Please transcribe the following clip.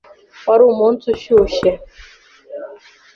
Wari umunsi ushushe.